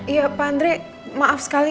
iya pak andre maaf sekali